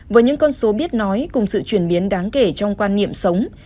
với những con số biết nói cùng sự chuyển biến đáng kể trong quan niệm sống